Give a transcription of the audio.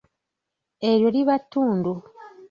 Eryo liba ttundu.